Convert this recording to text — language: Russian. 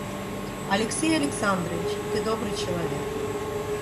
Алексей Александрович, ты добрый человек.